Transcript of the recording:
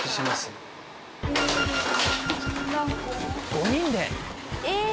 ５人で！？